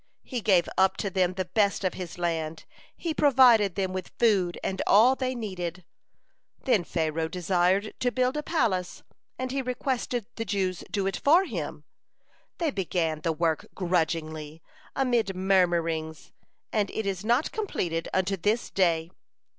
He gave up to them the best of his land. He provided them with food and all they needed. Then Pharaoh desired to build a palace, and he requested the Jews to do it for him. They began the work grudgingly, amid murmurings, and it is not completed unto this day.